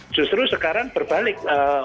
justru sekarang berbalik